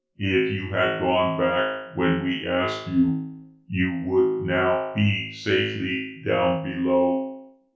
If you had gone back when we asked you, you would now be safely down below.